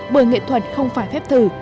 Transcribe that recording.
bởi nghệ thuật không phải phép thử